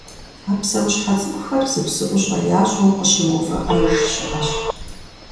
А псэущхьэ цӀыкӀухэр зы псыӀущӀэ ящӀу къыщымыувыӀэж щыӀэщ.